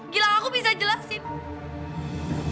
gilang aku bisa jelasin